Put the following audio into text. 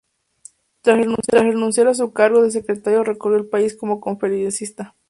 Tras renunciar a su cargo de Secretario recorrió el país como conferencista.